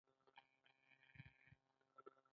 رایبوزومونه د پروټین په جوړولو کې مرسته کوي